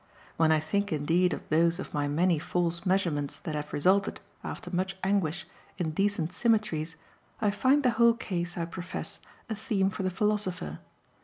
When I think indeed of those of my many false measurements that have resulted, after much anguish, in decent symmetries, I find the whole case, I profess, a theme for the philosopher.